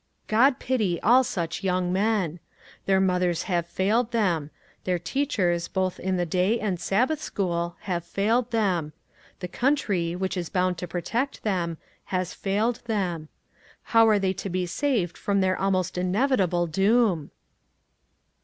God pity all such young men ! Their mothers have failed them ; their teachers, both in the day and Sab bath school, have failed them ; the country, which is bound to protect them, has failed them. How are they to be saved from their almost inevitable doom